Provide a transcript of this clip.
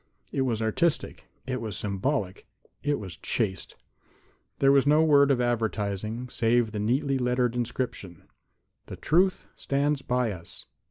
It was artistic; it was symbolic; it was chaste. There was no word of advertising save the neatly lettered inscription: _________________________||| The Truth stands by us.